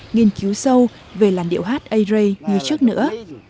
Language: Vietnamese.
nghiên cứu sâu về làn điệu hát ây rây như trước nữa